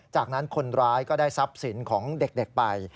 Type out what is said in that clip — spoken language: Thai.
จากนั้นคนร้ายก็ได้ทรัพย์สินของเด็กไป